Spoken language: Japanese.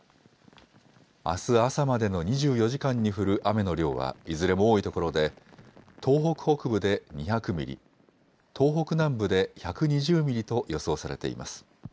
あす朝までの２４時間に降る雨の量はいずれも多いところで東北北部で２００ミリ、東北南部で１２０ミリと予想されています。